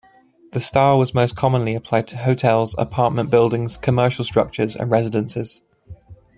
The style was most commonly applied to hotels, apartment buildings, commercial structures, and residences.